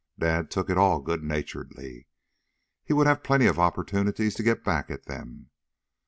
Dad took it all good naturedly. He would have plenty of opportunities to get back at them.